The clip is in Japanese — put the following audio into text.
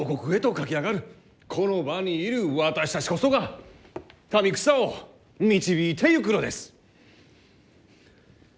この場にいる私たちこそが民草を導いていくのです！